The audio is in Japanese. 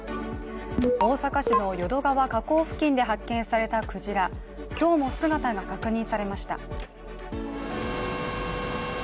大阪市の淀川河口付近で発見されたクジラ、今日も姿が確認されました。